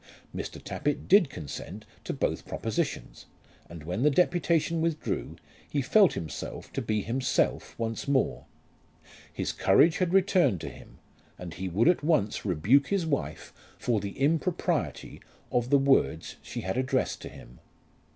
Mr. Tappitt did consent to both propositions, and when the deputation withdrew, he felt himself to be himself once more. His courage had returned to him, and he would at once rebuke his wife for the impropriety of the words she had addressed to him.